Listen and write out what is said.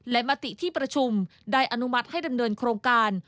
และมติที่ประชุมได้อนุมัติให้ดำเนินโครงการ